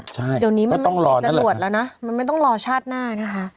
เดี๋ยวนี้มันจรวดแล้วนะมันไม่ต้องรอชาติหน้านะคะ